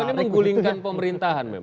itu hanya menggulingkan pemerintahan memang